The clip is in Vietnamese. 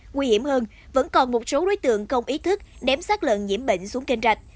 nguy hiểm hơn vẫn còn một số đối tượng không ý thức đếm sát lợn nhiễm bệnh xuống kênh rạch